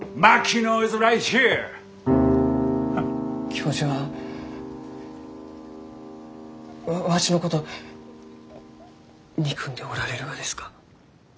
教授はわわしのこと憎んでおられるがですか？